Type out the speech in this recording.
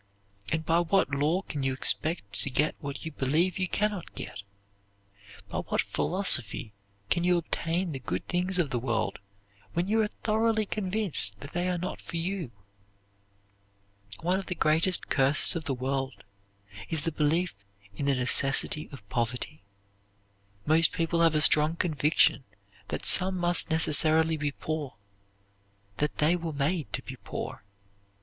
And by what law can you expect to get what you believe you can not get? _By what philosophy can you obtain the good things of the world when you are thoroughly convinced that they are not for you_? One of the greatest curses of the world is the belief in the necessity of poverty. Most people have a strong conviction that some must necessarily be poor; that they were made to be poor.